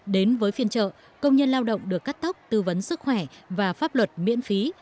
đến với phiên trợ công nhân lao động được cắt tóc tư vấn sức khỏe và pháp luật miễn phí